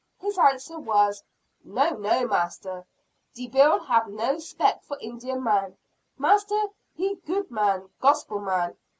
His answer was: "No, no, master debbil hab no 'spect for Indian man. Master he good man! gospel man!